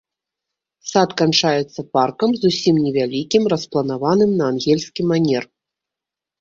Сад канчаецца паркам, зусім невялікім, распланаваным на ангельскі манер.